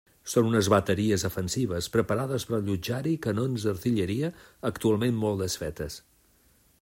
Són unes bateries defensives, preparades per a allotjar-hi canons d'artilleria, actualment molt desfetes.